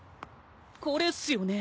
これっすよね？